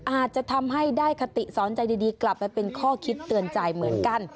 อาจจะทำให้ได้คติสอนใจดีกลับไปเป็นข้อคิดเตือนใจเหมือนกัน